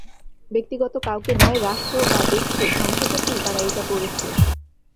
ব্যক্তিগত কাউকে নয়, রাষ্ট্র বা দেশকে ধ্বংস করতেই তারা এটা করেছে।